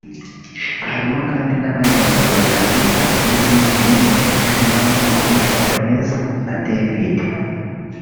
Harimo kandi n’abandi Banyarwanda nari nzanzwe nzi nongeyemo barimo uwitwa Brezze na Devid